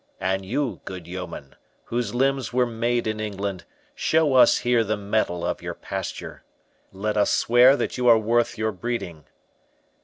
———And you, good yeomen, Whose limbs were made in England, show us here The mettle of your pasture—let us swear That you are worth your breeding.